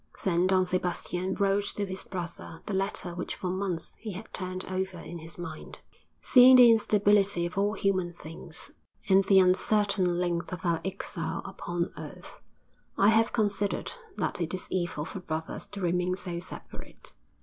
Then Don Sebastian wrote to his brother the letter which for months he had turned over in his mind, '_Seeing the instability of all human things, and the uncertain length of our exile upon earth, I have considered that it is evil for brothers to remain so separate.